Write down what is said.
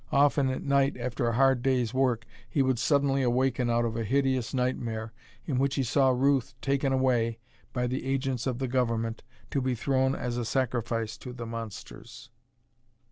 Often at night, after a hard day's work, he would suddenly awaken out of a hideous nightmare, in which he saw Ruth taken away by the agents of the Government, to be thrown as a sacrifice to the monsters.